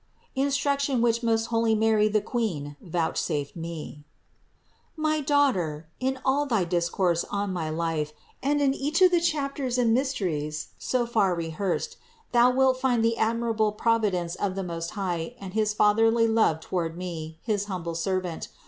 INSTRUCTION WHICH MOST HOLY MARY, THE QUEEN VOUCHSAFED ME. 454. My daughter, in all thy discourse on my life, and in each of the chapters and mysteries so far rehearsed, thou wilt find the admirable providence of the Most High and his fatherly love toward me, his humble servant.